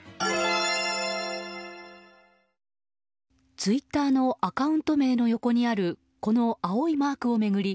ツイッターのアカウント名の横にあるこの青いマークを巡り